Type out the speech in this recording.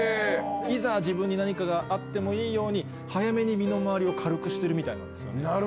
いざ自分に何かがあってもいいように早めに身の回りを軽くしてるみたいなんですよね。